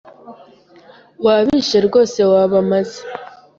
Wabishe rwose wabamaze.